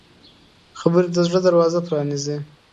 خبرې د زړه دروازه پرانیزي